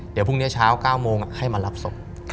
เดี๋ยวพรุ่งนี้เช้า๙โมงให้มารับศพ